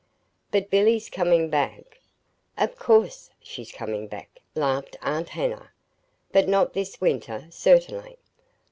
"But Billy's coming back!" "Of course she's coming back," laughed Aunt Hannah, "but not this winter, certainly.